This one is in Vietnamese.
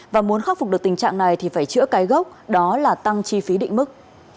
và muốn khắc phục được tình trạng này thì phải chữa cái gốc đó là tăng chi phí định mức